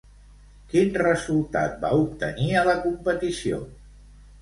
Quin resultat va obtenir a la competició?